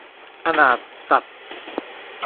อนาถสัส